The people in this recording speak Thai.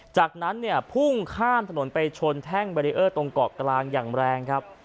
จากนั้นเนี่ยพุ่งข้ามถนนไปชนแท่งเบรีเออร์ตรงเกาะกลางอย่างแรงครับ